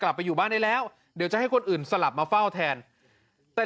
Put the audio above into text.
กลับไปอยู่บ้านได้แล้วเดี๋ยวจะให้คนอื่นสลับมาเฝ้าแทนแต่